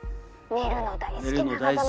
寝るの大好きな。